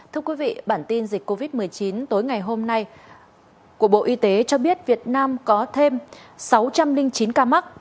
thưa quý vị bản tin dịch covid một mươi chín tối ngày hôm nay của bộ y tế cho biết việt nam có thêm sáu trăm linh chín ca mắc